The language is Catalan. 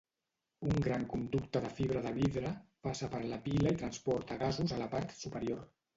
Un gran conducte de fibra de vidre passa per la pila i transporta gasos a la part superior.